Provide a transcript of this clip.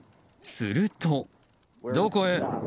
すると。